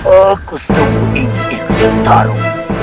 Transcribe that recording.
aku semua ingin ikut taruh